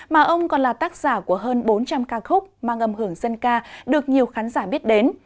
mà ông còn là tác giả của hơn bốn trăm linh ca khúc mang âm hưởng dân ca được nhiều khán giả biết đến